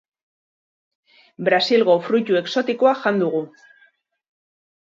Brasilgo fruitu exotikoa jan dugu.